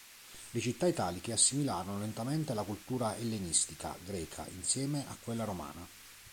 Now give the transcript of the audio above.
Le città italiche assimilarono lentamente la cultura ellenistica greca, insieme a quella romana.